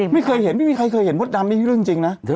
นี่ก็ไม่เคยเห็นจริงแล้วค่ะ